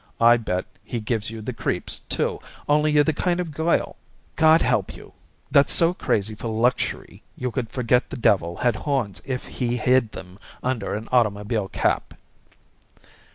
I bet he gives you the creeps, too, only you're the kind of a girl, God help you, that's so crazy for luxury you could forget the devil had horns if he hid 'em under a automobile cap."